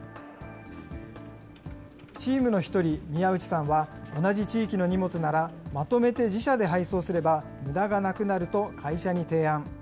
チームの一人、宮内さんは、同じ地域の荷物なら、まとめて自社で配送すれば、むだがなくなると会社に提案。